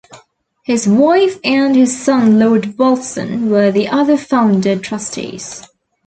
His wife and his son Lord Wolfson, were the other Founder Trustees.